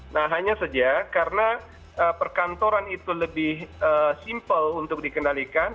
nah hanya saja karena perkantoran itu lebih simpel untuk dikendalikan